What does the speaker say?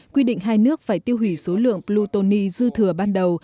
quy định hai nước phải tiêu hủy số lượng plutony dư thừa ban đầu